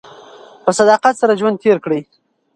په صداقت سره ژوند تېر کړئ.